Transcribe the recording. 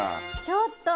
ちょっと！